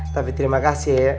tapi terima kasih ya